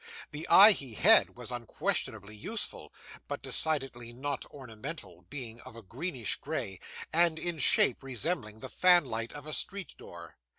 The eye he had, was unquestionably useful, but decidedly not ornamental: being of a greenish grey, and in shape resembling the fan light of a street door.